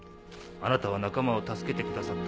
あなたは仲間を助けてくださった。